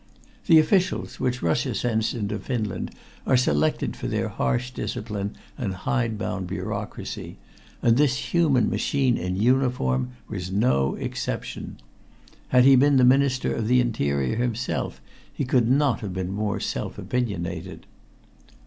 The officials which Russia sends into Finland are selected for their harsh discipline and hide bound bureaucracy, and this human machine in uniform was no exception. Had he been the Minister of the Interior himself, he could not have been more self opinionated.